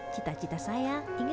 cita cita saya ingin bekerja di rumah